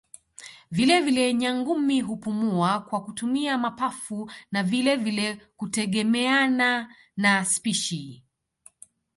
Vile vile Nyangumi hupumua kwa kutumia mapafu na vile vile hutegemeana na spishi